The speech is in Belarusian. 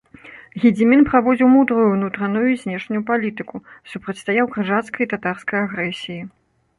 Гедзімін праводзіў мудрую ўнутраную і знешнюю палітыку, супрацьстаяў крыжацкай і татарскай агрэсіі.